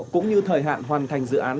cũng như thời hạn hoàn thành dự án